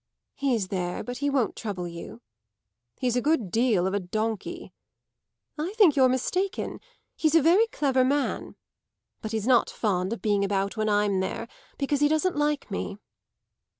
"He's there, but he won't trouble you." "He's a good deal of a donkey." "I think you're mistaken. He's a very clever man. But he's not fond of being about when I'm there, because he doesn't like me."